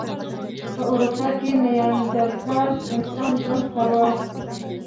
په اروپا کې نیاندرتال انسان ژوند کاوه.